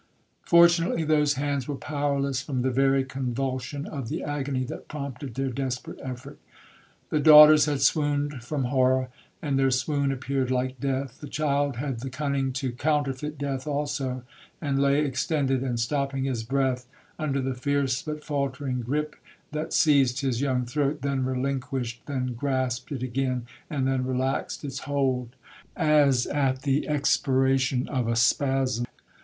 'Fortunately those hands were powerless from the very convulsion of the agony that prompted their desperate effort. The daughters had swooned from horror,—and their swoon appeared like death. The child had the cunning to counterfeit death also, and lay extended and stopping his breath under the fierce but faultering gripe that seized his young throat—then relinquished—then grasped it again—and then relaxed its hold as at the expiration of a spasm.